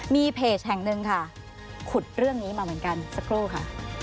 มีเพจแห่งหนึ่งค่ะขุดเรื่องนี้มาเหมือนกันสักครู่ค่ะ